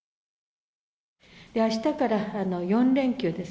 あしたから４連休です。